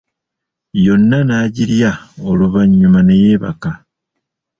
Yonna n'agirya oluvanyuma ne yebaka.